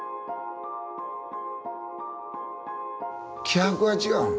気迫が違う。